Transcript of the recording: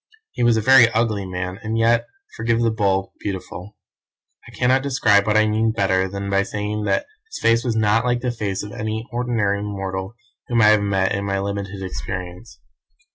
He was a very ugly man, and yet, forgive the bull, beautiful. I cannot describe what I mean better than by saying that his face was not like the face of any ordinary mortal whom I have met in my limited experience.